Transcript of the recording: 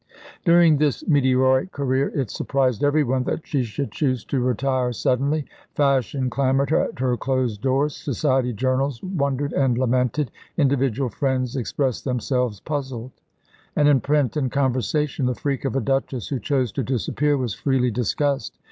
During this meteoric career it surprised every one that she should choose to retire suddenly. Fashion clamoured at her closed doors; society journals wondered and lamented; individual friends expressed themselves puzzled; and in print and conversation the freak of a Duchess who chose to disappear was freely discussed.